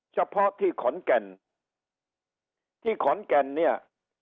เฉพาะที่ขอนแก่นที่ขอนแก่นเนี่ย